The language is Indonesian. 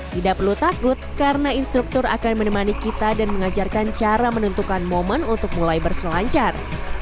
tidak perlu takut karena instruktur akan menemani kita dan mengajarkan cara menentukan momen untuk mulai berselancar